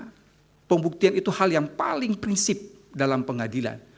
oleh karena itu ketika berbicara pembuktian itu paling paling prinsip dalam pengadilan